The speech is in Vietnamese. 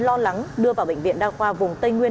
lo lắng đưa vào bệnh viện đa khoa vùng tây nguyên